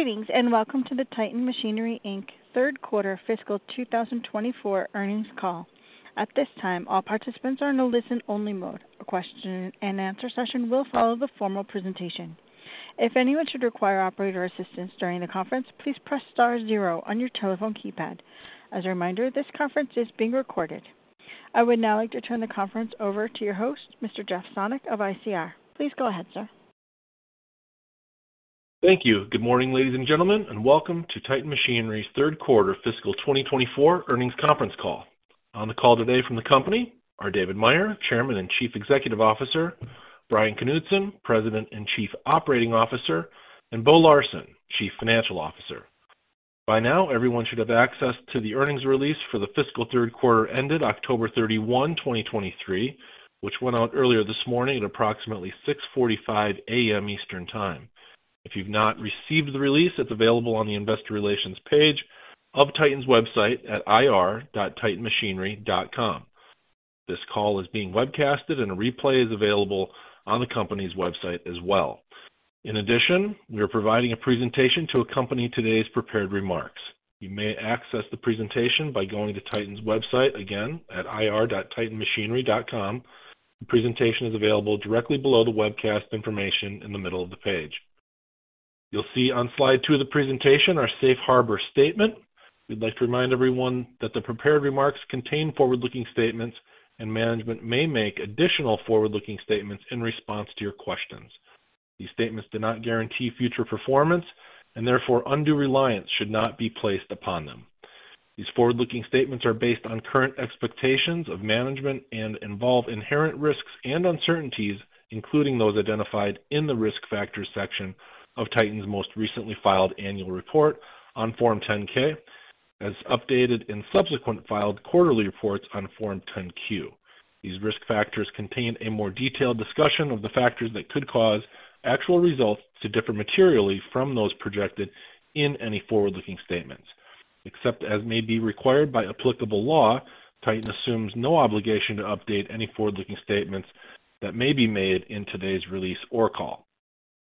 Greetings, and welcome to the Titan Machinery Inc. Q3 Fiscal 2024 Earnings Call. At this time, all participants are in a listen-only mode. A question and answer session will follow the formal presentation. If anyone should require operator assistance during the conference, please press star zero on your telephone keypad. As a reminder, this conference is being recorded. I would now like to turn the conference over to your host, Mr. Jeff Sonnek of ICR. Please go ahead, sir. Thank you. Good morning, ladies and gentlemen, and welcome to Titan Machinery's Q3 Fiscal 2024 Earnings Conference Call. On the call today from the company are David Meyer, Chairman and Chief Executive Officer, Bryan Knutson, President and Chief Operating Officer, and Bo Larsen, Chief Financial Officer. By now, everyone should have access to the earnings release for the fiscal Q3, ended 31 October, 2023, which went out earlier this morning at approximately 6:45AM Eastern Time. If you've not received the release, it's available on the investor relations page of Titan's website at ir.titanmachinery.com. This call is being webcasted, and a replay is available on the company's website as well. In addition, we are providing a presentation to accompany today's prepared remarks. You may access the presentation by going to Titan's website, again, at ir.titanmachinery.com. The presentation is available directly below the webcast information in the middle of the page. You'll see on slide two of the presentation our safe harbor statement. We'd like to remind everyone that the prepared remarks contain forward-looking statements, and management may make additional forward-looking statements in response to your questions. These statements do not guarantee future performance, and therefore, undue reliance should not be placed upon them. These forward-looking statements are based on current expectations of management and involve inherent risks and uncertainties, including those identified in the Risk Factors section of Titan's most recently filed annual report on Form 10-K, as updated in subsequent filed quarterly reports on Form 10-Q. These risk factors contain a more detailed discussion of the factors that could cause actual results to differ materially from those projected in any forward-looking statements. Except as may be required by applicable law, Titan assumes no obligation to update any forward-looking statements that may be made in today's release or call.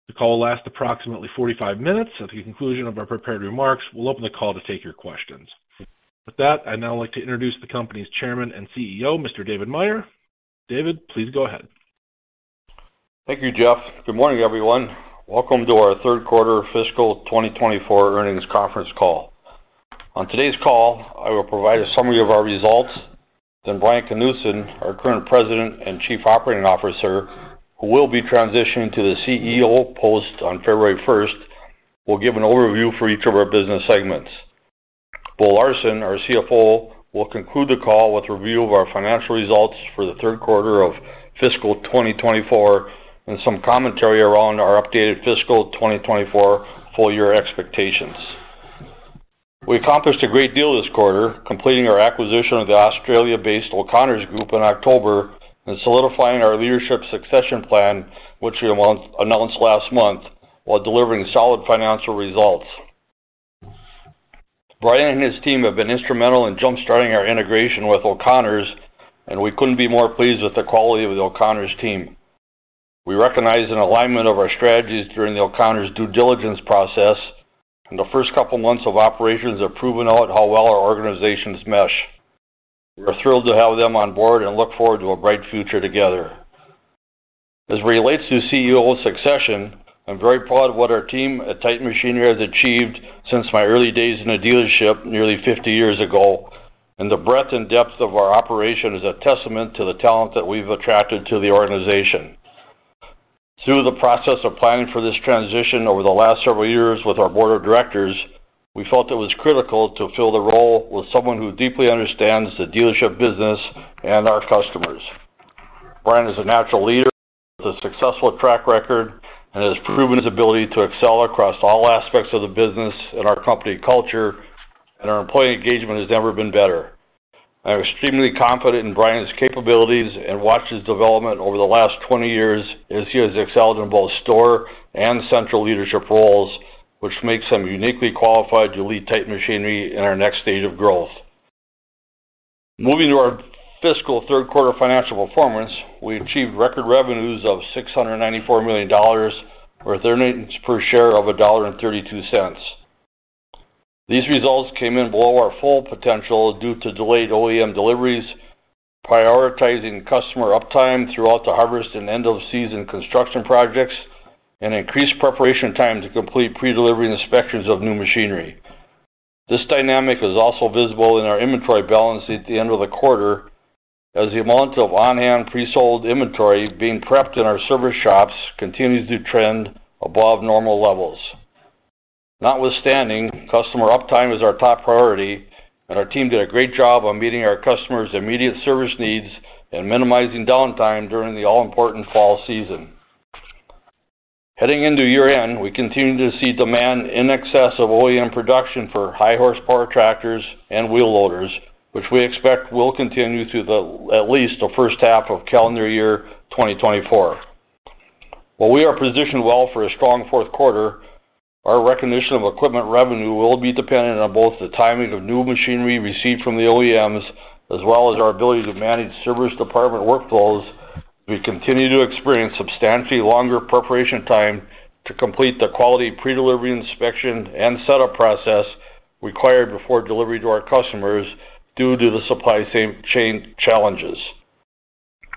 The call will last approximately 45 minutes. At the conclusion of our prepared remarks, we'll open the call to take your questions. With that, I'd now like to introduce the company's chairman and CEO, Mr. David Meyer. David, please go ahead. Thank you, Jeff. Good morning, everyone. Welcome to our Q3 Fiscal 2024 Earnings Conference Call. On today's call, I will provide a summary of our results. Then Bryan Knutson, our current President and Chief Operating Officer, who will be transitioning to the CEO post on February first, will give an overview for each of our business segments. Bo Larsen, our CFO, will conclude the call with a review of our financial results for the Q3 of fiscal 2024 and some commentary around our updated fiscal 2024 full-year expectations. We accomplished a great deal this quarter, completing our acquisition of the Australia-based O'Connors Group in October and solidifying our leadership succession plan, which we announced last month, while delivering solid financial results. Brian and his team have been instrumental in jumpstarting our integration with O'Connors, and we couldn't be more pleased with the quality of the O'Connors team. We recognize an alignment of our strategies during the O'Connors due diligence process, and the first couple months of operations have proven out how well our organizations mesh. We are thrilled to have them on board and look forward to a bright future together. As it relates to CEO succession, I'm very proud of what our team at Titan Machinery has achieved since my early days in a dealership nearly 50 years ago, and the breadth and depth of our operation is a testament to the talent that we've attracted to the organization. Through the process of planning for this transition over the last several years with our board of directors, we felt it was critical to fill the role with someone who deeply understands the dealership business and our customers. Bryan is a natural leader with a successful track record and has proven his ability to excel across all aspects of the business and our company culture, and our employee engagement has never been better. I'm extremely confident in Bryan's capabilities and watched his development over the last 20 years as he has excelled in both store and central leadership roles, which makes him uniquely qualified to lead Titan Machinery in our next stage of growth. Moving to our fiscal Q3 financial performance, we achieved record revenues of $694 million, with earnings per share of $1.32. These results came in below our full potential due to delayed OEM deliveries, prioritizing customer uptime throughout the harvest and end-of-season construction projects, and increased preparation time to complete pre-delivery inspections of new machinery. This dynamic is also visible in our inventory balance at the end of the quarter, as the amount of on-hand pre-sold inventory being prepped in our service shops continues to trend above normal levels. Notwithstanding, customer uptime is our top priority, and our team did a great job on meeting our customers' immediate service needs and minimizing downtime during the all-important fall season. Heading into year-end, we continue to see demand in excess of OEM production for high horsepower tractors and wheel loaders, which we expect will continue through the, at least the first half of calendar year 2024. While we are positioned well for a strong Q4, our recognition of equipment revenue will be dependent on both the timing of new machinery received from the OEMs, as well as our ability to manage service department workflows. We continue to experience substantially longer preparation time to complete the quality pre-delivery inspection and setup process required before delivery to our customers due to the supply chain challenges.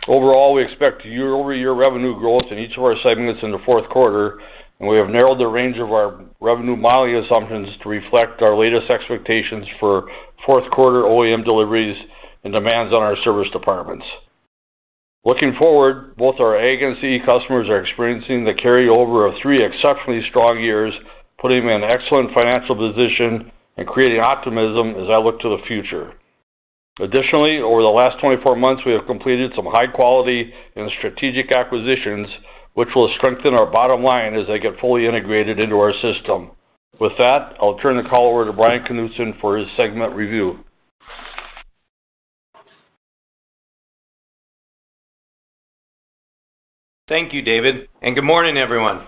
Overall, we expect year-over-year revenue growth in each of our segments in the Q4, and we have narrowed the range of our revenue model assumptions to reflect our latest expectations for Q4 OEM deliveries and demands on our service departments. Looking forward, both our Ag and CE customers are experiencing the carryover of three exceptionally strong years, putting them in an excellent financial position and creating optimism as I look to the future. Additionally, over the last 24 months, we have completed some high quality and strategic acquisitions, which will strengthen our bottom line as they get fully integrated into our system. With that, I'll turn the call over to Bryan Knutson for his segment review. Thank you, David, and good morning, everyone.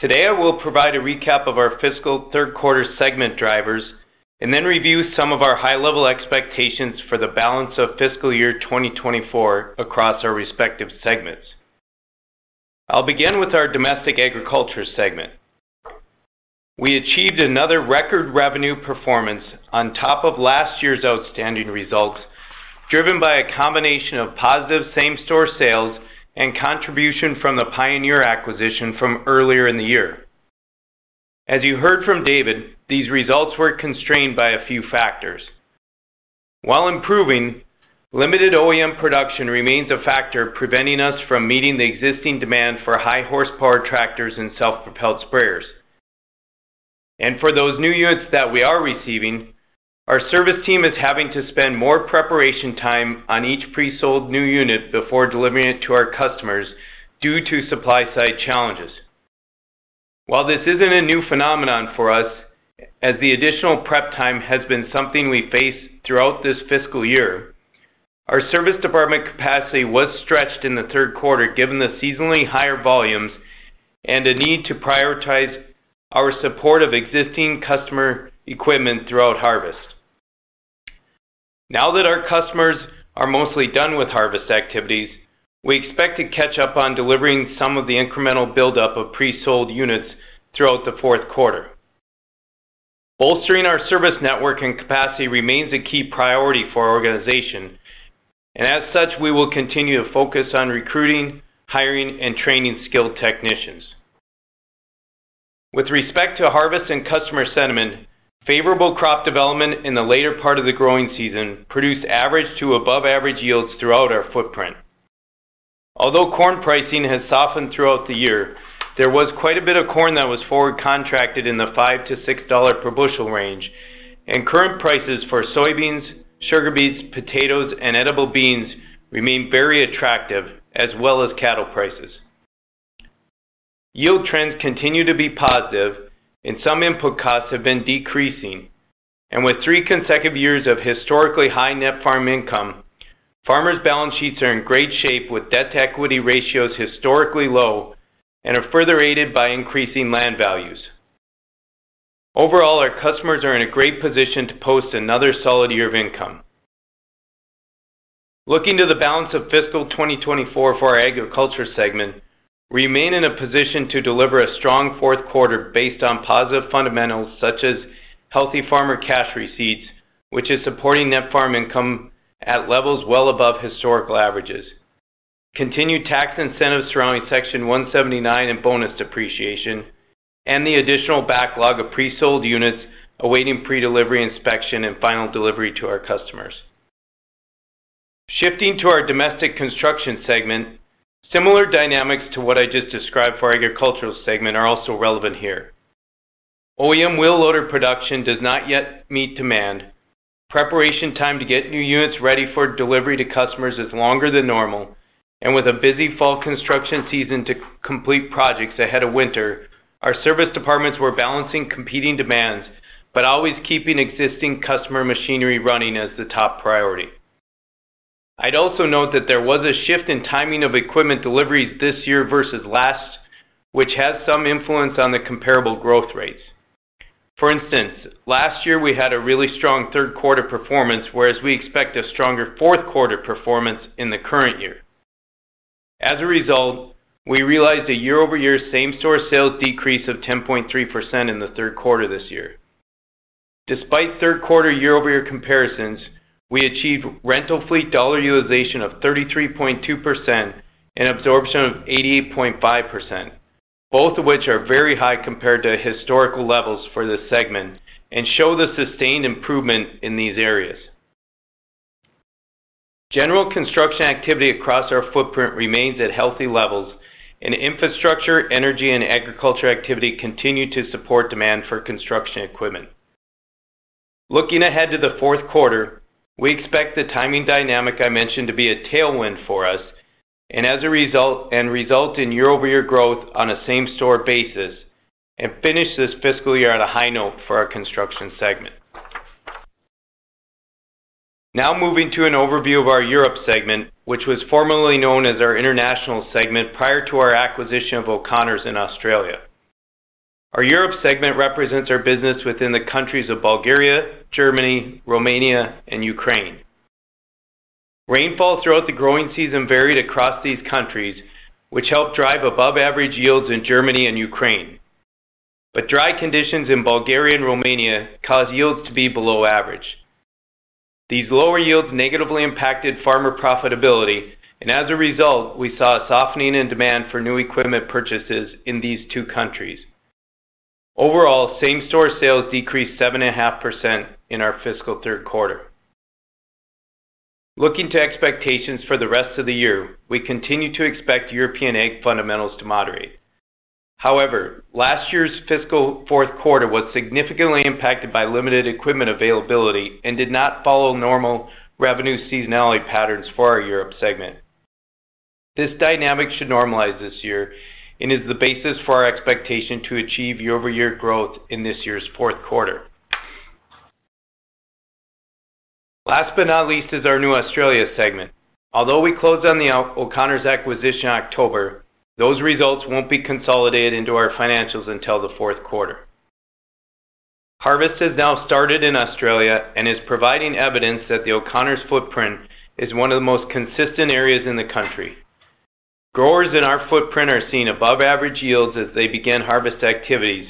Today, I will provide a recap of our fiscal Q3 segment drivers and then review some of our high-level expectations for the balance of fiscal year 2024 across our respective segments. I'll begin with our domestic agriculture segment. We achieved another record revenue performance on top of last year's outstanding results, driven by a combination of positive same-store sales and contribution from the Pioneer acquisition from earlier in the year. As you heard from David, these results were constrained by a few factors. While improving, limited OEM production remains a factor preventing us from meeting the existing demand for high horsepower tractors and self-propelled sprayers. And for those new units that we are receiving, our service team is having to spend more preparation time on each pre-sold new unit before delivering it to our customers due to supply side challenges. While this isn't a new phenomenon for us, as the additional prep time has been something we face throughout this fiscal year, our service department capacity was stretched in the Q3, given the seasonally higher volumes and a need to prioritize our support of existing customer equipment throughout harvest. Now that our customers are mostly done with harvest activities, we expect to catch up on delivering some of the incremental buildup of pre-sold units throughout the Q4. Bolstering our service network and capacity remains a key priority for our organization, and as such, we will continue to focus on recruiting, hiring, and training skilled technicians. With respect to harvest and customer sentiment, favorable crop development in the later part of the growing season produced average to above-average yields throughout our footprint. Although corn pricing has softened throughout the year, there was quite a bit of corn that was forward contracted in the $5 to 6 per bushel range, and current prices for soybeans, sugar beets, potatoes, and edible beans remain very attractive, as well as cattle prices. Yield trends continue to be positive, and some input costs have been decreasing. With 3 consecutive years of historically high net farm income, farmers' balance sheets are in great shape, with debt-to-equity ratios historically low and are further aided by increasing land values. Overall, our customers are in a great position to post another solid year of income. Looking to the balance of fiscal 2024 for our agriculture segment, we remain in a position to deliver a strong Q4 based on positive fundamentals such as healthy farmer cash receipts, which is supporting net farm income at levels well above historical averages, continued tax incentives surrounding Section 179 and bonus depreciation, and the additional backlog of pre-sold units awaiting pre-delivery inspection and final delivery to our customers. Shifting to our domestic construction segment, similar dynamics to what I just described for our agricultural segment are also relevant here. OEM wheel loader production does not yet meet demand. Preparation time to get new units ready for delivery to customers is longer than normal, and with a busy fall construction season to complete projects ahead of winter, our service departments were balancing competing demands, but always keeping existing customer machinery running as the top priority. I'd also note that there was a shift in timing of equipment deliveries this year versus last, which had some influence on the comparable growth rates. For instance, last year we had a really strong Q3 performance, whereas we expect a stronger Q4 performance in the current year. As a result, we realized a year-over-year same-store sales decrease of 10.3% in the Q3 this year. Despite Q3 year-over-year comparisons, we achieved rental fleet dollar utilization of 33.2% and absorption of 88.5%, both of which are very high compared to historical levels for this segment and show the sustained improvement in these areas. General construction activity across our footprint remains at healthy levels, and infrastructure, energy, and agriculture activity continue to support demand for construction equipment. Looking ahead to the Q4, we expect the timing dynamic I mentioned to be a tailwind for us and as a result in year-over-year growth on a same-store basis and finish this fiscal year on a high note for our construction segment. Now moving to an overview of our Europe segment, which was formerly known as our international segment prior to our acquisition of O'Connors in Australia. Our Europe segment represents our business within the countries of Bulgaria, Germany, Romania, and Ukraine. Rainfall throughout the growing season varied across these countries, which helped drive above-average yields in Germany and Ukraine. But dry conditions in Bulgaria and Romania caused yields to be below average. These lower yields negatively impacted farmer profitability, and as a result, we saw a softening in demand for new equipment purchases in these two countries. Overall, same-store sales decreased 7.5% in our fiscal Q3. Looking to expectations for the rest of the year, we continue to expect European ag fundamentals to moderate. However, last year's fiscal Q4 was significantly impacted by limited equipment availability and did not follow normal revenue seasonality patterns for our Europe segment. This dynamic should normalize this year and is the basis for our expectation to achieve year-over-year growth in this year's Q4. Last but not least is our new Australia segment. Although we closed on the O'Connors' acquisition in October, those results won't be consolidated into our financials until the Q4. Harvest has now started in Australia and is providing evidence that the O'Connors' footprint is one of the most consistent areas in the country. Growers in our footprint are seeing above-average yields as they begin harvest activities,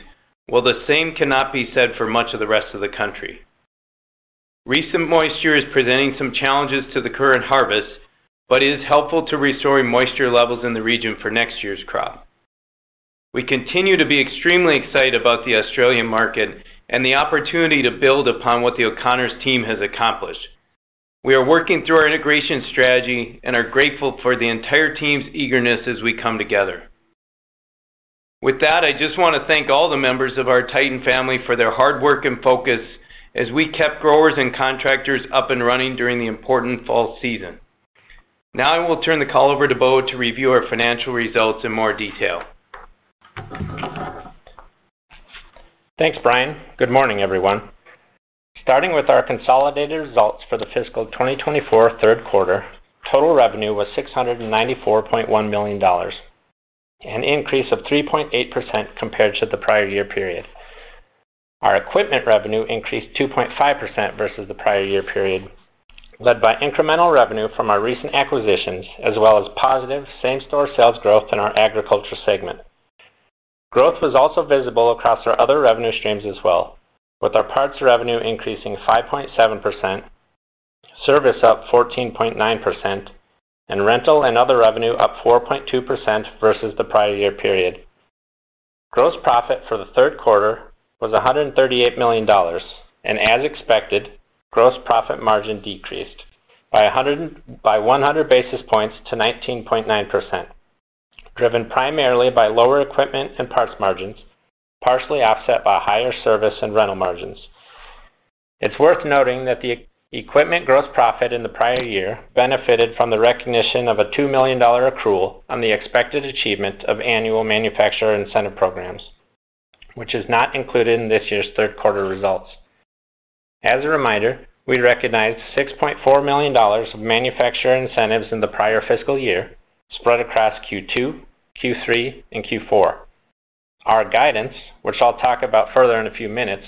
while the same cannot be said for much of the rest of the country. Recent moisture is presenting some challenges to the current harvest, but it is helpful to restoring moisture levels in the region for next year's crop. We continue to be extremely excited about the Australian market and the opportunity to build upon what the O'Connors' team has accomplished. We are working through our integration strategy and are grateful for the entire team's eagerness as we come together. With that, I just want to thank all the members of our Titan family for their hard work and focus as we kept growers and contractors up and running during the important fall season. Now, I will turn the call over to Bo to review our financial results in more detail. Thanks, Bryan. Good morning, everyone. Starting with our consolidated results for the fiscal 2024 Q3, total revenue was $694.1 million, an increase of 3.8% compared to the prior year period. Our equipment revenue increased 2.5% versus the prior year period, led by incremental revenue from our recent acquisitions, as well as positive same-store sales growth in our agriculture segment. Growth was also visible across our other revenue streams as well, with our parts revenue increasing 5.7%, service up 14.9%, and rental and other revenue up 4.2% versus the prior year period. Gross profit for the Q3 was $138 million, and as expected, gross profit margin decreased by 100 basis points to 19.9%, driven primarily by lower equipment and parts margins, partially offset by higher service and rental margins. It's worth noting that the equipment gross profit in the prior year benefited from the recognition of a $2 million accrual on the expected achievement of annual manufacturer incentive programs, which is not included in this year's Q3 results. As a reminder, we recognized $6.4 million of manufacturer incentives in the prior fiscal year, spread across Q2, Q3, and Q4. Our guidance, which I'll talk about further in a few minutes,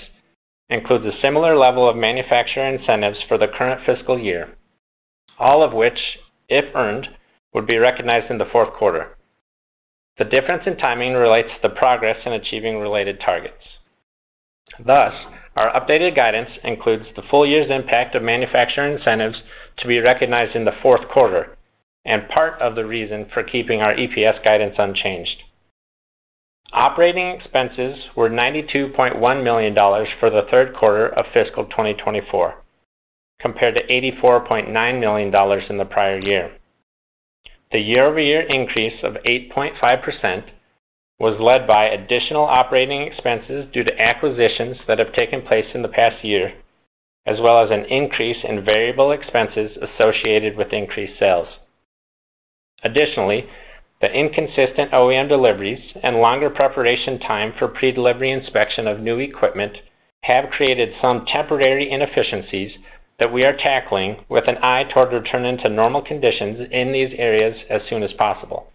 includes a similar level of manufacturer incentives for the current fiscal year, all of which, if earned, would be recognized in the Q4. The difference in timing relates to the progress in achieving related targets. Thus, our updated guidance includes the full year's impact of manufacturer incentives to be recognized in the Q4 and part of the reason for keeping our EPS guidance unchanged. Operating expenses were $92.1 million for the Q3 of fiscal 2024, compared to $84.9 million in the prior year. The year-over-year increase of 8.5% was led by additional operating expenses due to acquisitions that have taken place in the past year, as well as an increase in variable expenses associated with increased sales. Additionally, the inconsistent OEM deliveries and longer preparation time for pre-delivery inspection of new equipment have created some temporary inefficiencies that we are tackling with an eye toward returning to normal conditions in these areas as soon as possible.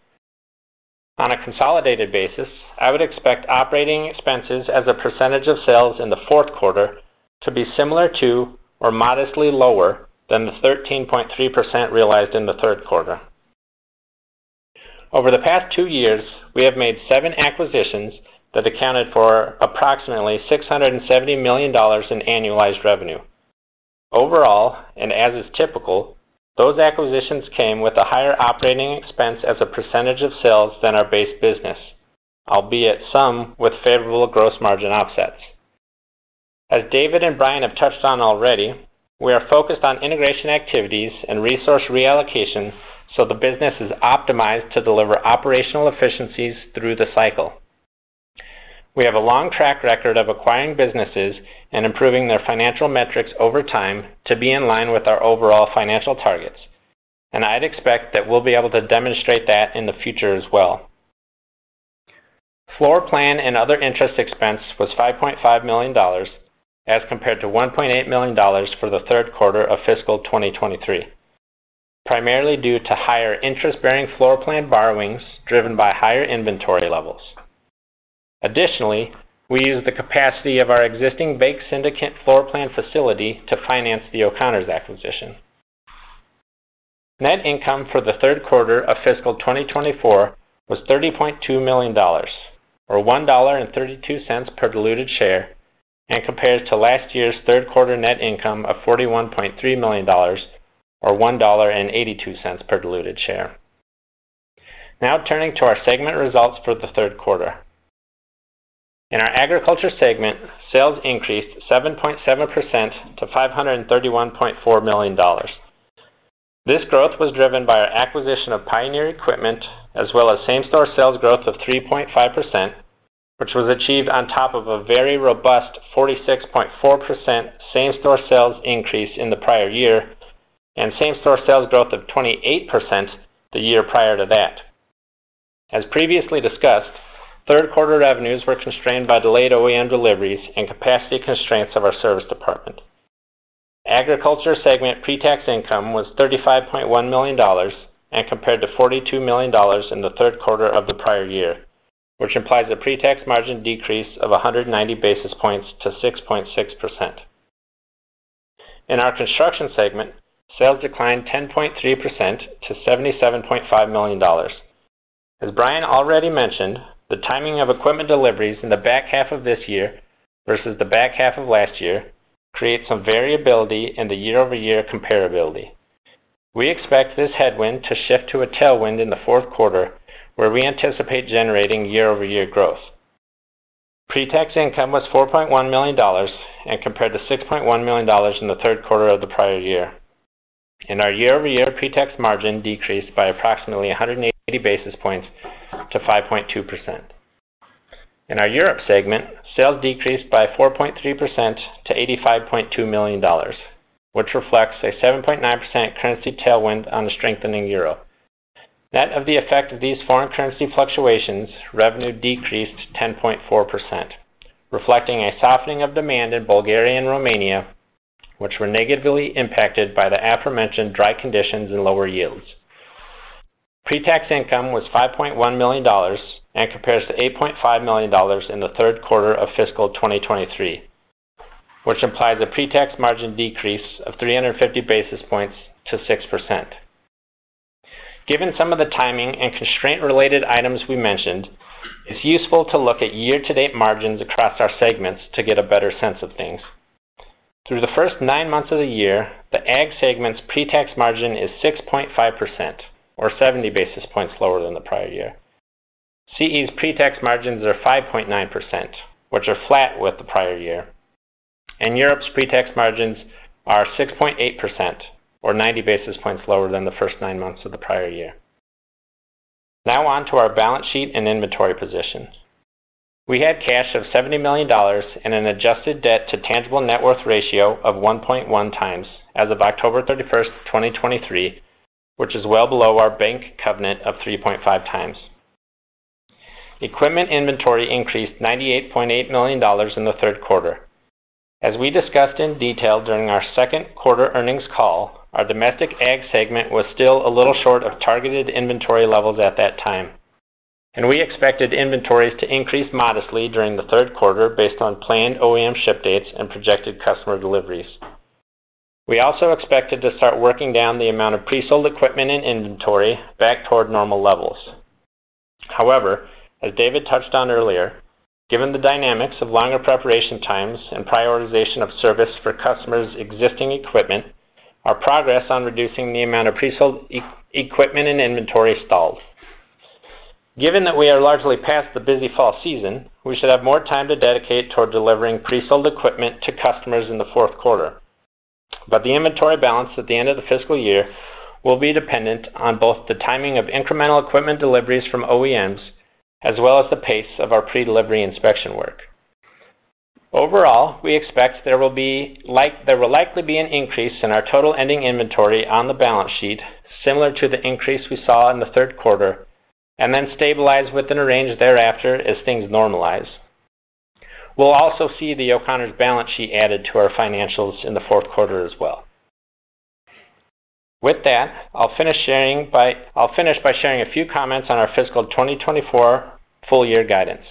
On a consolidated basis, I would expect operating expenses as a percentage of sales in the Q4 to be similar to or modestly lower than the 13.3% realized in the Q3. Over the past 2 years, we have made 7 acquisitions that accounted for approximately $670 million in annualized revenue. Overall, and as is typical, those acquisitions came with a higher operating expense as a percentage of sales than our base business, albeit some with favorable gross margin offsets. As David and Brian have touched on already, we are focused on integration activities and resource reallocations, so the business is optimized to deliver operational efficiencies through the cycle. We have a long track record of acquiring businesses and improving their financial metrics over time to be in line with our overall financial targets, and I'd expect that we'll be able to demonstrate that in the future as well. Floor plan and other interest expense was $5.5 million, as compared to $1.8 million for the Q3 of fiscal 2023, primarily due to higher interest-bearing floorplan borrowings driven by higher inventory levels. Additionally, we use the capacity of our existing bank syndicate floorplan facility to finance the O'Connors acquisition. Net income for the Q3 of fiscal 2024 was $30.2 million, or $1.32 per diluted share, and compared to last year's Q3 net income of $41.3 million or $1.82 per diluted share. Now turning to our segment results for the Q3. In our agriculture segment, sales increased 7.7% to $531.4 million. This growth was driven by our acquisition of Pioneer Equipment, as well as same-store sales growth of 3.5%, which was achieved on top of a very robust 46.4% same-store sales increase in the prior year, and same-store sales growth of 28% the year prior to that. As previously discussed, Q3 revenues were constrained by delayed OEM deliveries and capacity constraints of our service department. Agriculture segment pretax income was $35.1 million and compared to $42 million in the Q3 of the prior year, which implies a pretax margin decrease of 190 basis points to 6.6%. In our construction segment, sales declined 10.3% to $77.5 million. As Bryan already mentioned, the timing of equipment deliveries in the back half of this year versus the back half of last year creates some variability in the year-over-year comparability. We expect this headwind to shift to a tailwind in the Q4, where we anticipate generating year-over-year growth. Pretax income was $4.1 million and compared to $6.1 million in the Q3 of the prior year. Our year-over-year pretax margin decreased by approximately 180 basis points to 5.2%. In our Europe segment, sales decreased by 4.3% to $85.2 million, which reflects a 7.9 currency tailwind on the strengthening euro. Net of the effect of these foreign currency fluctuations, revenue decreased 10.4%, reflecting a softening of demand in Bulgaria and Romania, which were negatively impacted by the aforementioned dry conditions and lower yields. Pretax income was $5.1 million and compares to $8.5 million in the Q3 of fiscal 2023, which implies a pretax margin decrease of 350 basis points to 6%. Given some of the timing and constraint-related items we mentioned, it's useful to look at year-to-date margins across our segments to get a better sense of things. Through the first nine months of the year, the AG segment's pretax margin is 6.5%, or 70 basis points lower than the prior year. CE's pretax margins are 5.9%, which are flat with the prior year, and Europe's pretax margins are 6.8% or 90 basis points lower than the first nine months of the prior year. Now on to our balance sheet and inventory positions. We had cash of $70 million and an adjusted debt to tangible net worth ratio of 1.1x as of 31 October, 2023, which is well below our bank covenant of 3.5x. Equipment inventory increased $98.8 million in the Q3. As we discussed in detail during our Q2 earnings call, our domestic AG segment was still a little short of targeted inventory levels at that time, and we expected inventories to increase modestly during the Q3 based on planned OEM ship dates and projected customer deliveries. We also expected to start working down the amount of pre-sold equipment and inventory back toward normal levels. However, as David touched on earlier, given the dynamics of longer preparation times and prioritization of service for customers' existing equipment, our progress on reducing the amount of pre-sold equipment and inventory stalls. Given that we are largely past the busy fall season, we should have more time to dedicate toward delivering pre-sold equipment to customers in the Q4. But the inventory balance at the end of the fiscal year will be dependent on both the timing of incremental equipment deliveries from OEMs, as well as the pace of our pre-delivery inspection work. Overall, we expect there will likely be an increase in our total ending inventory on the balance sheet, similar to the increase we saw in the Q3, and then stabilize within a range thereafter as things normalize. We'll also see the O'Connors' balance sheet added to our financials in the Q4 as well. With that, I'll finish by sharing a few comments on our fiscal 2024 full year guidance,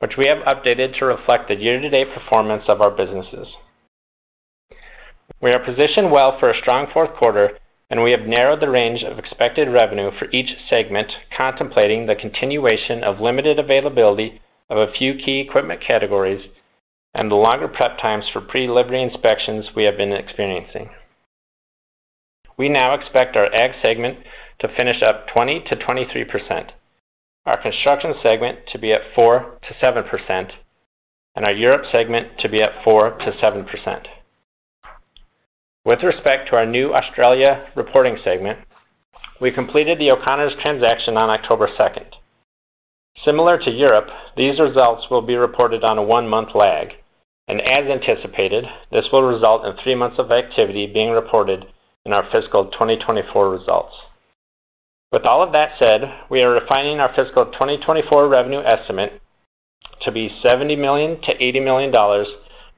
which we have updated to reflect the year-to-date performance of our businesses. We are positioned well for a strong Q4, and we have narrowed the range of expected revenue for each segment, contemplating the continuation of limited availability of a few key equipment categories and the longer prep times for pre-delivery inspections we have been experiencing. We now expect our AG segment to finish up 20% to 23%, our construction segment to be at 4% to 7%, and our Europe segment to be at 4% to 7%. With respect to our new Australia reporting segment, we completed the O'Connors transaction on 2 October. Similar to Europe, these results will be reported on a one-month lag, and as anticipated, this will result in three months of activity being reported in our fiscal 2024 results. ...With all of that said, we are refining our fiscal 2024 revenue estimate to be $70 to 80 million,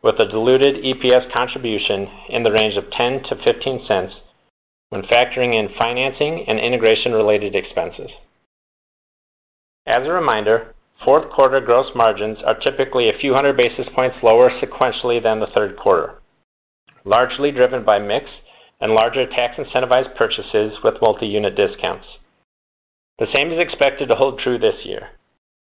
with a diluted EPS contribution in the range of $0.10 to 0.15, when factoring in financing and integration-related expenses. As a reminder, Q4 gross margins are typically a few hundred basis points lower sequentially than the Q3, largely driven by mix and larger tax-incentivized purchases with multi-unit discounts. The same is expected to hold true this year.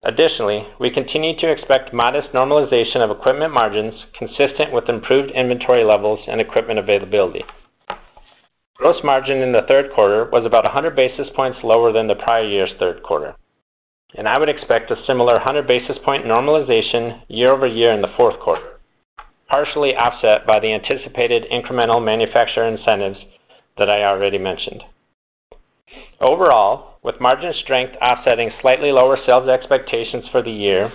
Additionally, we continue to expect modest normalization of equipment margins, consistent with improved inventory levels and equipment availability. Gross margin in the Q3 was about 100 basis points lower than the prior year's Q3, and I would expect a similar 100 basis point normalization year-over-year in the Q4, partially offset by the anticipated incremental manufacturer incentives that I already mentioned. Overall, with margin strength offsetting slightly lower sales expectations for the year,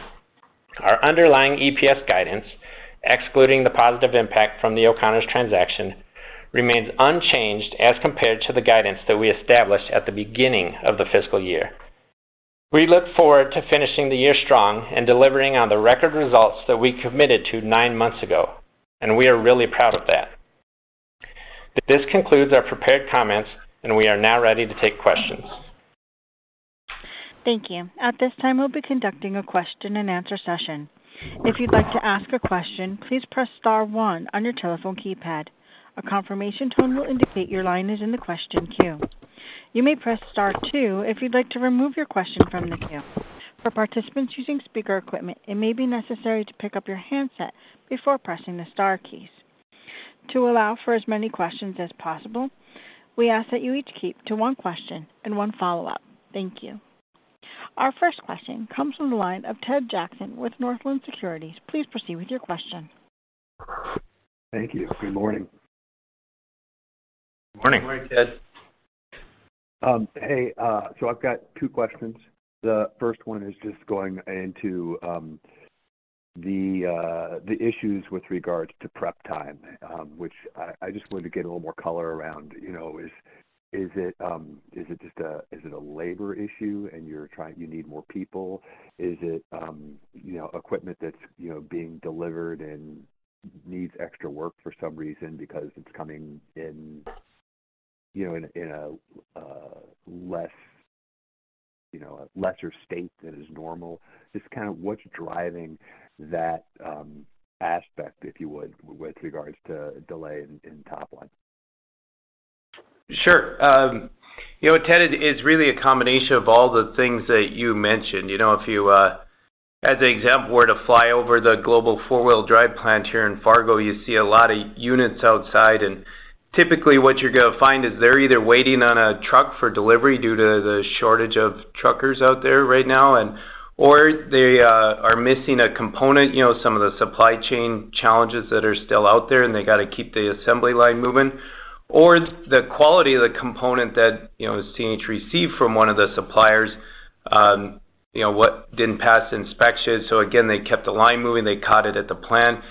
our underlying EPS guidance, excluding the positive impact from the O'Connors transaction, remains unchanged as compared to the guidance that we established at the beginning of the fiscal year. We look forward to finishing the year strong and delivering on the record results that we committed to nine months ago, and we are really proud of that. This concludes our prepared comments, and we are now ready to take questions. Thank you. At this time, we'll be conducting a question-and-answer session. If you'd like to ask a question, please press star one on your telephone keypad. A confirmation tone will indicate your line is in the question queue. You may press star two if you'd like to remove your question from the queue. For participants using speaker equipment, it may be necessary to pick up your handset before pressing the star keys. To allow for as many questions as possible, we ask that you each keep to one question and one follow-up. Thank you. Our first question comes from the line of Ted Jackson with Northland Securities. Please proceed with your question. Thank you. Good morning. Morning. Good morning, Ted. Hey, so I've got two questions. The first one is just going into the issues with regards to prep time, which I just wanted to get a little more color around. You know, is it just a labor issue and you're trying... You need more people? Is it, you know, equipment that's, you know, being delivered and needs extra work for some reason because it's coming in, you know, in a less, you know, a lesser state than is normal? Just kind of what's driving that aspect, if you would, with regards to delay in top line? Sure. You know, Ted, it's really a combination of all the things that you mentioned. You know, if you, as an example, were to fly over the global four-wheel drive plant here in Fargo, you'd see a lot of units outside, and typically what you're gonna find is they're either waiting on a truck for delivery due to the shortage of truckers out there right now and, or they are missing a component, you know, some of the supply chain challenges that are still out there, and they got to keep the assembly line moving, or the quality of the component that, you know, CNH received from one of the suppliers, you know, what didn't pass inspection. So again, they kept the line moving. They caught it at the plant.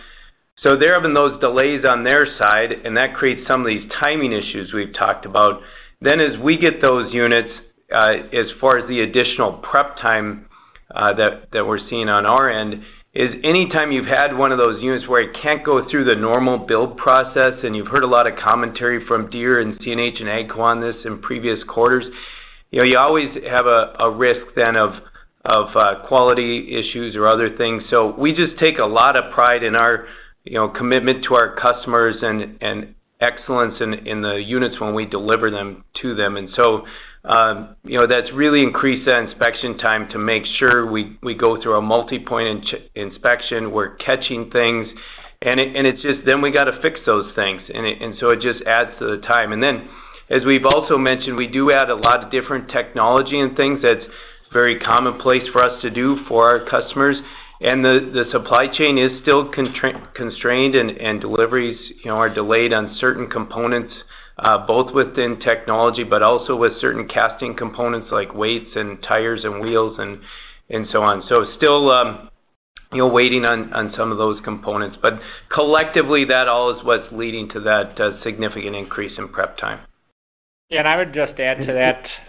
So they're having those delays on their side, and that creates some of these timing issues we've talked about. Then, as we get those units, as far as the additional prep time, that we're seeing on our end, is any time you've had one of those units where it can't go through the normal build process, and you've heard a lot of commentary from Deere and CNH and AGCO on this in previous quarters, you know, you always have a risk then of quality issues or other things. So we just take a lot of pride in our, you know, commitment to our customers and excellence in the units when we deliver them to them. So, you know, that's really increased that inspection time to make sure we go through a multi-point inspection, we're catching things, and it's just then we got to fix those things. And so it just adds to the time. As we've also mentioned, we do add a lot of different technology and things. That's very commonplace for us to do for our customers. The supply chain is still constrained and deliveries, you know, are delayed on certain components, both within technology, but also with certain casting components like weights and tires and wheels and so on. So still, you know, waiting on some of those components, but collectively, that all is what's leading to that significant increase in prep time. Yeah, and I would just add to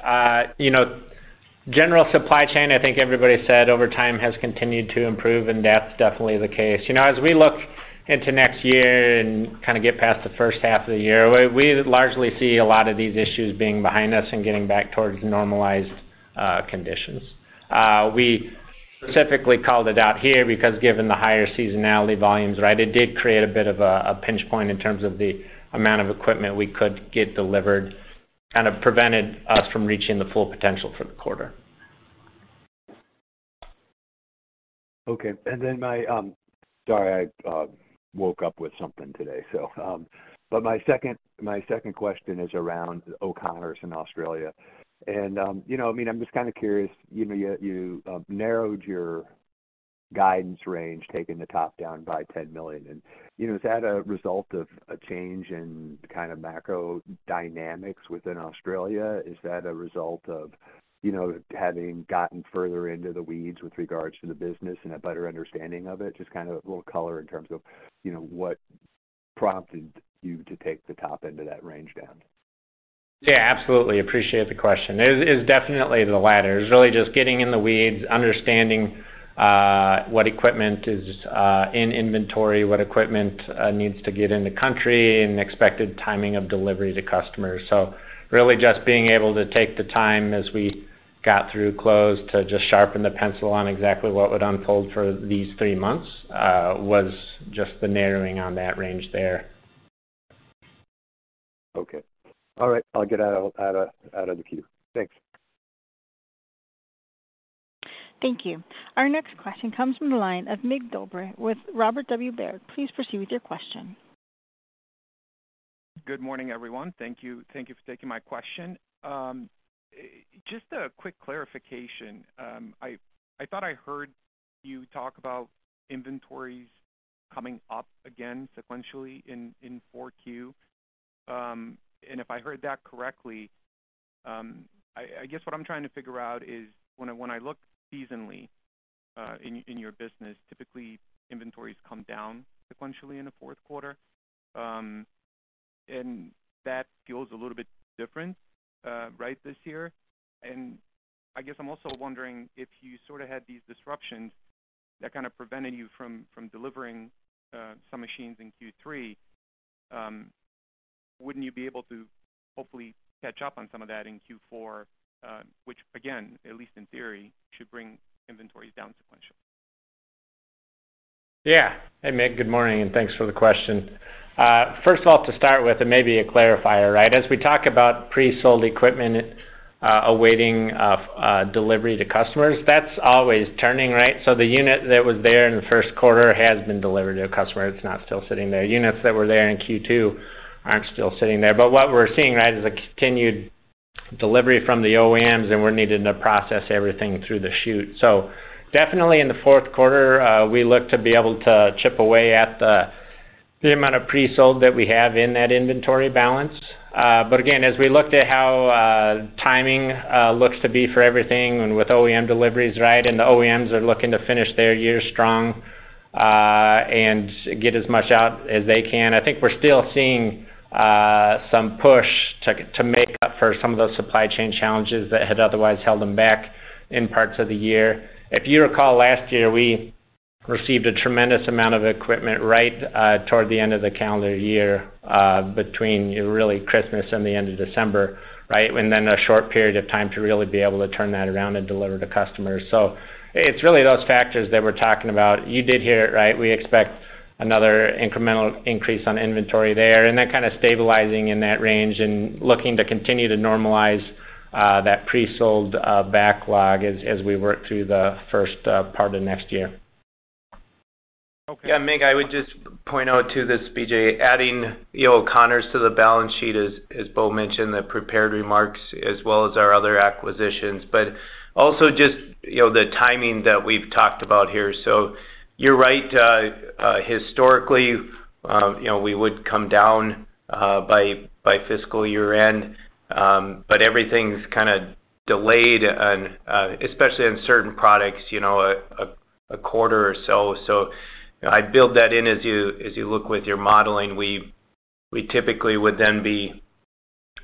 that, you know, general supply chain, I think everybody said over time, has continued to improve, and that's definitely the case. You know, as we look into next year and kind of get past the first half of the year, we largely see a lot of these issues being behind us and getting back towards normalized conditions. We specifically called it out here because given the higher seasonality volumes, right, it did create a bit of a pinch point in terms of the amount of equipment we could get delivered. Kind of prevented us from reaching the full potential for the quarter. Okay. And then my... Sorry, I woke up with something today. So, but my second, my second question is around O'Connors in Australia. And, you know, I mean, I'm just kind of curious, you know, you narrowed your guidance range, taking the top down by $10 million, and, you know, is that a result of a change in kind of macro dynamics within Australia? Is that a result of, you know, having gotten further into the weeds with regards to the business and a better understanding of it? Just kind of a little color in terms of, you know, what prompted you to take the top end of that range down? Yeah, absolutely. Appreciate the question. It is, it's definitely the latter. It's really just getting in the weeds, understanding what equipment is in inventory, what equipment needs to get in the country, and expected timing of delivery to customers. So really just being able to take the time as we got through close to just sharpen the pencil on exactly what would unfold for these three months was just the narrowing on that range there. Okay. All right. I'll get out of the queue. Thanks. Thank you. Our next question comes from the line of Mig Dobre with Robert W. Baird. Please proceed with your question. Good morning, everyone. Thank you. Thank you for taking my question. Just a quick clarification. I thought I heard you talk about inventories coming up again sequentially in Q4. And if I heard that correctly, I guess what I'm trying to figure out is when I look seasonally, in your business, typically inventories come down sequentially in the Q4. And that feels a little bit different, right, this year. I guess I'm also wondering if you sort of had these disruptions that kind of prevented you from delivering some machines in Q3, wouldn't you be able to hopefully catch up on some of that in Q4? Which again, at least in theory, should bring inventories down sequentially. Yeah. Hey, Mig, good morning, and thanks for the question. First of all, to start with, and maybe a clarifier, right? As we talk about pre-sold equipment awaiting delivery to customers, that's always turning, right? So the unit that was there in the Q1 has been delivered to a customer. It's not still sitting there. Units that were there in Q2 aren't still sitting there. But what we're seeing, right, is a continued delivery from the OEMs, and we're needing to process everything through the shoot. So definitely in the Q4, we look to be able to chip away at the amount of pre-sold that we have in that inventory balance. But again, as we looked at how timing looks to be for everything and with OEM deliveries, right? And the OEMs are looking to finish their year strong, and get as much out as they can. I think we're still seeing some push to make up for some of those supply chain challenges that had otherwise held them back in parts of the year. If you recall, last year, we received a tremendous amount of equipment right toward the end of the calendar year, between really Christmas and the end of December, right? And then a short period of time to really be able to turn that around and deliver to customers. So it's really those factors that we're talking about. You did hear it, right? We expect another incremental increase on inventory there, and then kind of stabilizing in that range and looking to continue to normalize that pre-sold backlog as we work through the first part of next year. Okay. Yeah, Mig, I would just point out to this, BJ, adding the O'Connors to the balance sheet, as Bo mentioned, the prepared remarks as well as our other acquisitions, but also just, you know, the timing that we've talked about here. So you're right, historically, you know, we would come down by fiscal year end, but everything's kinda delayed on, especially on certain products, you know, a quarter or so. So I'd build that in as you look with your modeling. We typically would then be,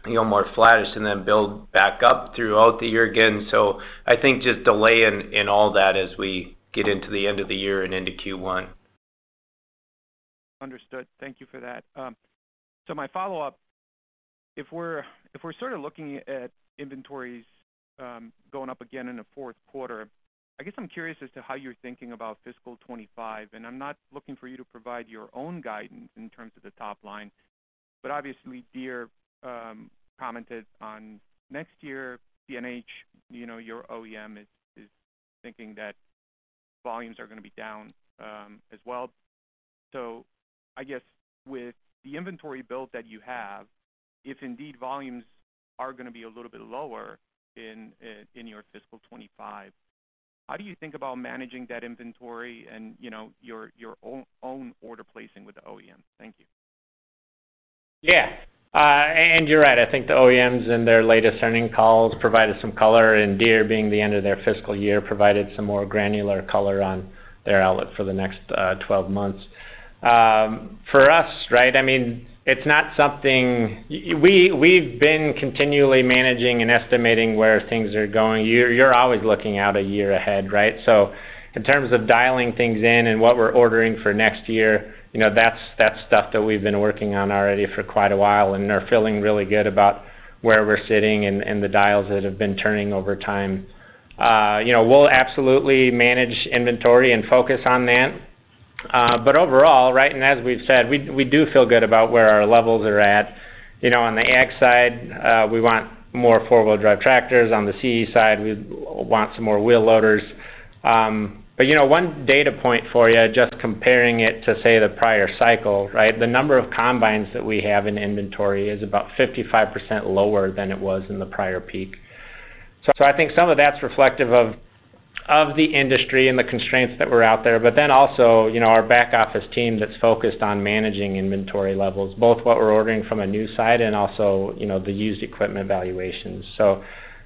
you know, more flattish and then build back up throughout the year again. So I think just delay in all that as we get into the end of the year and into Q1. Understood. Thank you for that. So my follow-up, if we're sort of looking at inventories going up again in the Q4, I guess I'm curious as to how you're thinking about fiscal 2025, and I'm not looking for you to provide your own guidance in terms of the top line, but obviously, Deere commented on next year, CNH, you know, your OEM is thinking that volumes are gonna be down as well. So I guess with the inventory build that you have, if indeed volumes are gonna be a little bit lower in your fiscal 2025, how do you think about managing that inventory and, you know, your own order placing with the OEM? Thank you. Yeah. And you're right. I think the OEMs in their latest earnings calls provided some color, and Deere being the end of their fiscal year, provided some more granular color on their outlook for the next 12 months. For us, right, I mean, it's not something we, we've been continually managing and estimating where things are going. You're always looking out a year ahead, right? So in terms of dialing things in and what we're ordering for next year, you know, that's, that's stuff that we've been working on already for quite a while and are feeling really good about where we're sitting and, and the dials that have been turning over time. You know, we'll absolutely manage inventory and focus on that. But overall, right, and as we've said, we, we do feel good about where our levels are at. You know, on the ag side, we want more four-wheel drive tractors. On the CE side, we want some more wheel loaders. But you know, one data point for you, just comparing it to, say, the prior cycle, right? The number of combines that we have in inventory is about 55% lower than it was in the prior peak. So I think some of that's reflective of the industry and the constraints that were out there, but then also, you know, our back office team that's focused on managing inventory levels, both what we're ordering from a new side and also, you know, the used equipment valuations. So.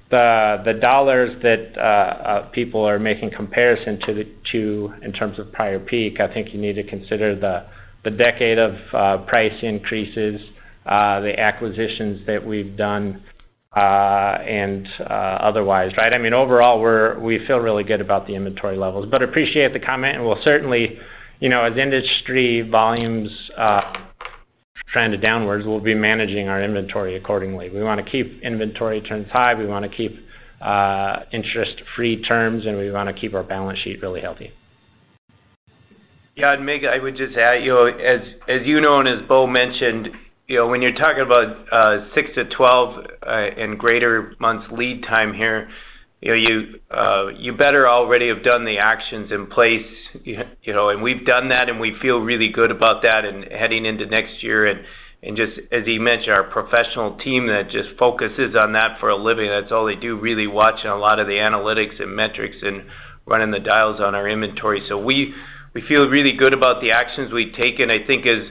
The dollars that people are making comparison to the in terms of prior peak, I think you need to consider the decade of price increases, the acquisitions that we've done, and otherwise, right? I mean, overall, we feel really good about the inventory levels, but appreciate the comment, and we'll certainly, you know, as industry volumes trend downwards, we'll be managing our inventory accordingly. We wanna keep inventory turns high, we wanna keep interest-free terms, and we wanna keep our balance sheet really healthy. Yeah, and Mig, I would just add, you know, as, as you know, and as Bo mentioned, you know, when you're talking about 6 to 12 and greater months lead time here, you know, you better already have done the actions in place. You know, and we've done that, and we feel really good about that and heading into next year. And, and just as he mentioned, our professional team that just focuses on that for a living, that's all they do, really watching a lot of the analytics and metrics and running the dials on our inventory. So we, we feel really good about the actions we've taken. I think as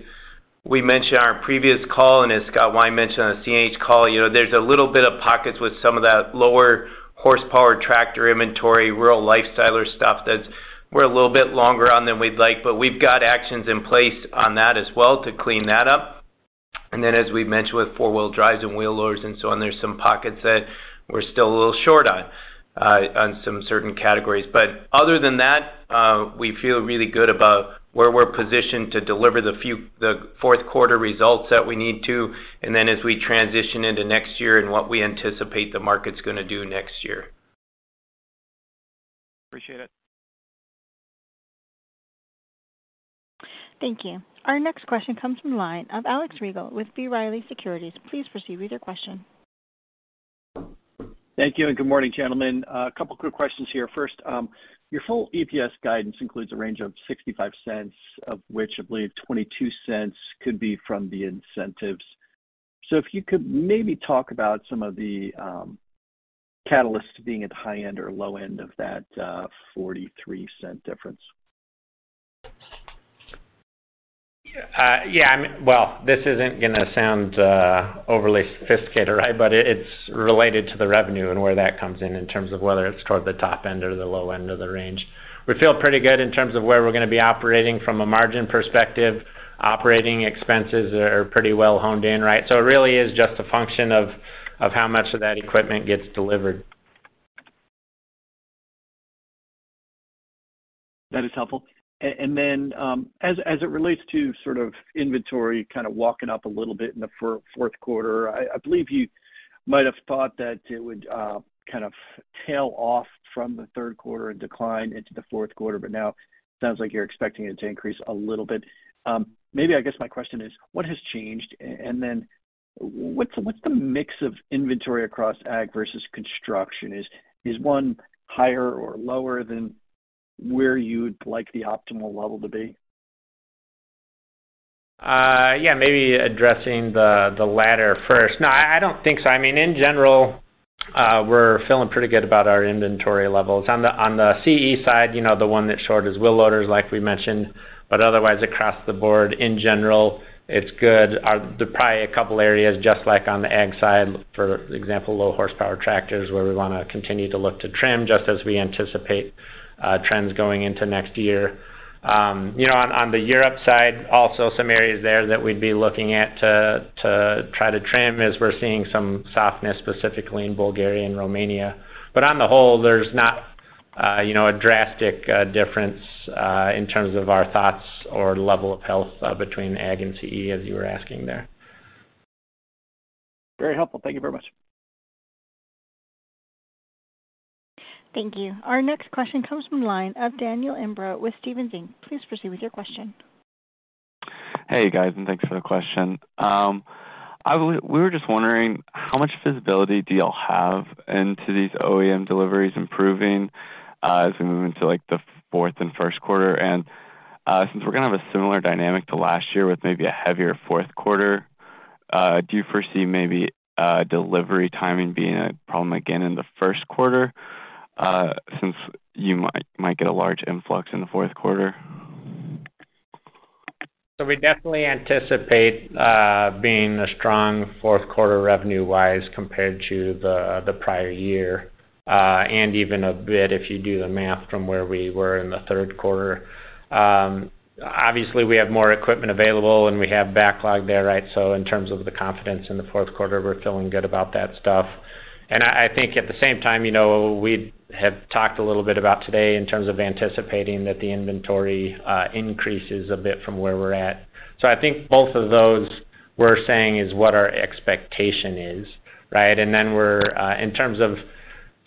we mentioned on our previous call and as Scott Wine mentioned on the CNH call, you know, there's a little bit of pockets with some of that lower horsepower tractor inventory, real lifestyler stuff, that's we're a little bit longer on than we'd like, but we've got actions in place on that as well to clean that up. And then, as we've mentioned, with four-wheel drives and wheel loaders and so on, there's some pockets that we're still a little short on, on some certain categories. But other than that, we feel really good about where we're positioned to deliver the Q4 results that we need to, and then as we transition into next year and what we anticipate the market's gonna do next year. Appreciate it. Thank you. Our next question comes from the line of Alex Rygiel with B. Riley Securities. Please proceed with your question. Thank you and good morning, gentlemen. A couple quick questions here. First, your full EPS guidance includes a range of $0.65, of which I believe $0.22 could be from the incentives. So if you could maybe talk about some of the catalysts being at the high end or low end of that $0.43 difference. Yeah, I mean... Well, this isn't gonna sound overly sophisticated, right? But it's related to the revenue and where that comes in, in terms of whether it's toward the top end or the low end of the range. We feel pretty good in terms of where we're gonna be operating from a margin perspective. Operating expenses are pretty well honed in, right? So it really is just a function of how much of that equipment gets delivered. That is helpful. And then, as it relates to sort of inventory, kind of walking up a little bit in the Q4, I believe you might have thought that it would kind of tail off from the Q3 and decline into the Q4, but now sounds like you're expecting it to increase a little bit. Maybe, I guess, my question is: What has changed? And then, what's the mix of inventory across ag versus construction? Is one higher or lower than where you'd like the optimal level to be? Yeah, maybe addressing the latter first. No, I don't think so. I mean, in general, we're feeling pretty good about our inventory levels. On the CE side, you know, the one that's short is wheel loaders, like we mentioned, but otherwise, across the board, in general, it's good. There are probably a couple areas, just like on the ag side, for example, low horsepower tractors, where we wanna continue to look to trim just as we anticipate trends going into next year. You know, on the Europe side, also some areas there that we'd be looking at to try to trim as we're seeing some softness, specifically in Bulgaria and Romania. But on the whole, there's not, you know, a drastic difference in terms of our thoughts or level of health between ag and CE, as you were asking there. Very helpful. Thank you very much. Thank you. Our next question comes from the line of Daniel Imbro with Stephens Inc. Please proceed with your question. Hey, guys, and thanks for the question. I believe we were just wondering, how much visibility do y'all have into these OEM deliveries improving, as we move into, like, the fourth and Q1? And, since we're gonna have a similar dynamic to last year, with maybe a heavier Q4, do you foresee maybe, delivery timing being a problem again in the Q1, since you might get a large influx in the Q4? So we definitely anticipate being a strong Q4 revenue-wise compared to the, the prior year, and even a bit if you do the math from where we were in the Q3. Obviously, we have more equipment available, and we have backlog there, right? So in terms of the confidence in the Q4, we're feeling good about that stuff. And I, I think at the same time, you know, we have talked a little bit about today in terms of anticipating that the inventory increases a bit from where we're at. So I think both of those, we're saying, is what our expectation is, right? And then we're in terms of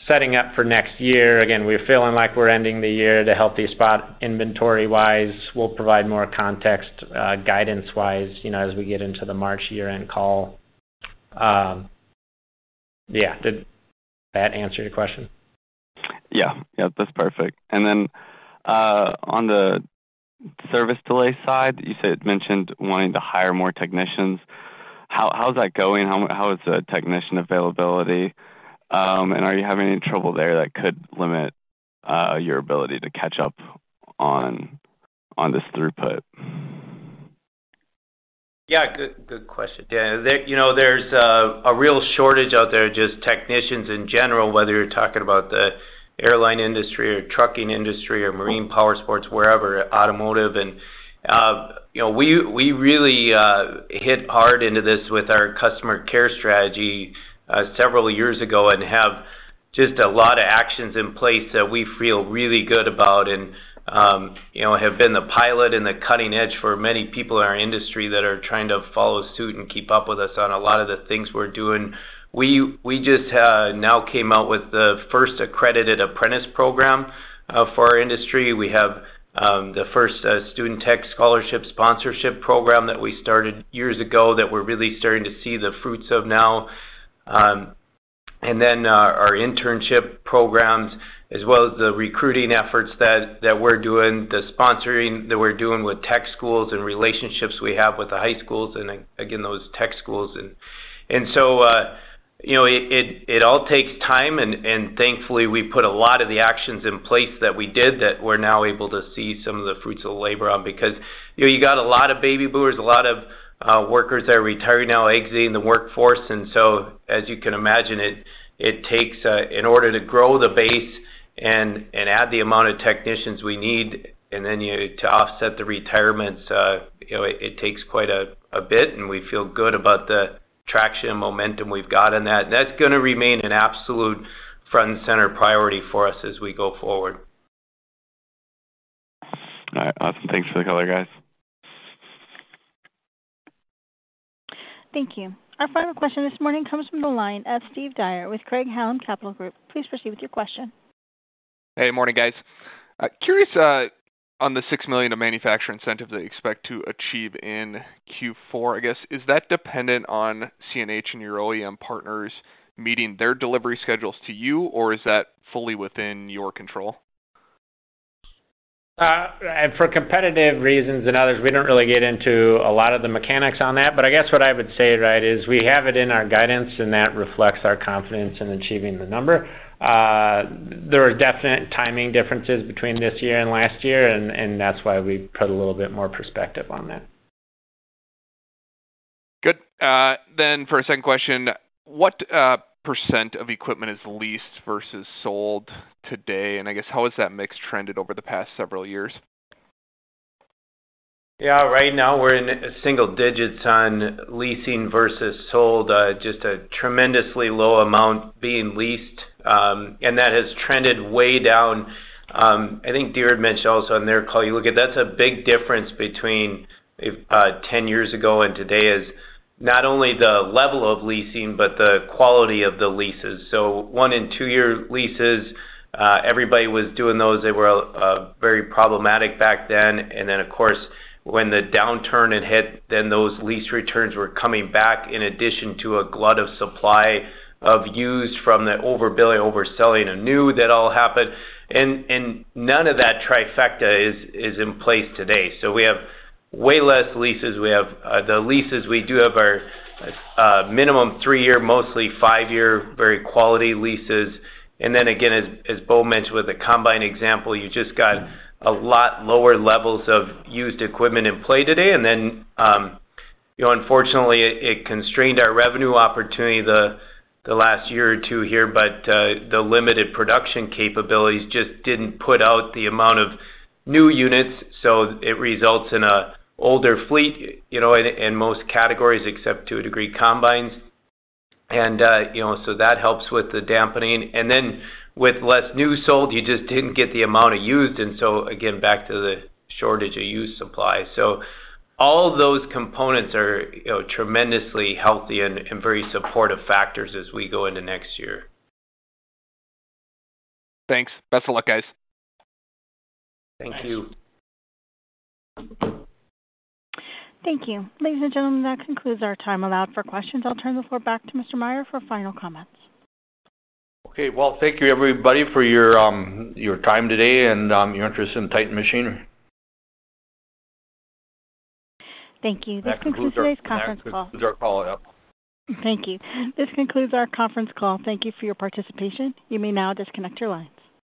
setting up for next year, again, we're feeling like we're ending the year at a healthy spot inventory-wise. We'll provide more context, guidance-wise, you know, as we get into the March year-end call. Yeah. Did that answer your question? Yeah. Yeah, that's perfect. And then, on the service delay side, you said, mentioned wanting to hire more technicians. How's that going? How is the technician availability? And are you having any trouble there that could limit your ability to catch up on this throughput? ... Yeah, good, good question, Dan. You know, there's a real shortage out there, just technicians in general, whether you're talking about the airline industry or trucking industry or marine powersports, wherever, automotive. And, you know, we really hit hard into this with our customer care strategy several years ago and have just a lot of actions in place that we feel really good about. And, you know, have been the pilot and the cutting edge for many people in our industry that are trying to follow suit and keep up with us on a lot of the things we're doing. We just now came out with the first accredited apprentice program for our industry. We have the first student tech scholarship sponsorship program that we started years ago that we're really starting to see the fruits of now. And then our internship programs, as well as the recruiting efforts that we're doing, the sponsoring that we're doing with tech schools and relationships we have with the high schools and again, those tech schools. And so, you know, it all takes time, and thankfully, we put a lot of the actions in place that we did, that we're now able to see some of the fruits of labor on. Because, you know, you got a lot of baby boomers, a lot of workers that are retiring now, exiting the workforce. And so, as you can imagine, it takes a... In order to grow the base and add the amount of technicians we need, and then to offset the retirements, you know, it takes quite a bit, and we feel good about the traction and momentum we've got in that. That's gonna remain an absolute front and center priority for us as we go forward. All right. Awesome. Thanks for the color, guys. Thank you. Our final question this morning comes from the line of Steve Dyer with Craig-Hallum Capital Group. Please proceed with your question. Hey, morning, guys. Curious, on the $6 million of manufacturer incentives that you expect to achieve in Q4, I guess, is that dependent on CNH and your OEM partners meeting their delivery schedules to you, or is that fully within your control? For competitive reasons and others, we don't really get into a lot of the mechanics on that, but I guess what I would say, right, is we have it in our guidance, and that reflects our confidence in achieving the number. There are definite timing differences between this year and last year, and that's why we put a little bit more perspective on that. Good. Then for a second question, what percent of equipment is leased versus sold today? And I guess, how has that mix trended over the past several years? Yeah. Right now, we're in single digits on leasing versus sold, just a tremendously low amount being leased, and that has trended way down. I think Deere had mentioned also on their call. You look at that's a big difference between 10 years ago and today, is not only the level of leasing but the quality of the leases. So one- and two-year leases, everybody was doing those. They were very problematic back then. And then, of course, when the downturn had hit, then those lease returns were coming back, in addition to a glut of supply of used from the overbuilding, overselling of new, that all happened. And none of that trifecta is in place today. So we have way less leases. We have the leases we do have our minimum 3-year, mostly 5-year, very quality leases. And then again, as Bo mentioned with the combine example, you just got a lot lower levels of used equipment in play today. And then, you know, unfortunately, it constrained our revenue opportunity the last year or two here, but the limited production capabilities just didn't put out the amount of new units, so it results in a older fleet, you know, in most categories, except to a degree, combines. And, you know, so that helps with the dampening. And then with less new sold, you just didn't get the amount of used, and so again, back to the shortage of used supply. So all of those components are, you know, tremendously healthy and very supportive factors as we go into next year. Thanks. Best of luck, guys. Thank you. Thank you. Ladies and gentlemen, that concludes our time allowed for questions. I'll turn the floor back to Mr. Meyer for final comments. Okay, well, thank you, everybody, for your time today and your interest in Titan Machinery. Thank you. This concludes today's conference call. That concludes our call. Yep. Thank you. This concludes our conference call. Thank you for your participation. You may now disconnect your lines.